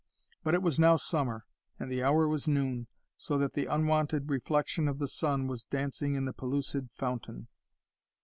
But it was now summer, and the hour was noon, so that the unwonted reflection of the sun was dancing in the pellucid fountain.